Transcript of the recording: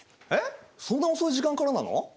えっそんな遅い時間からなの？